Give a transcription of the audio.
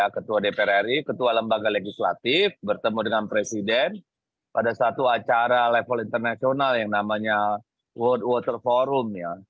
ketua dpr ri ketua lembaga legislatif bertemu dengan presiden pada satu acara level internasional yang namanya world water forum ya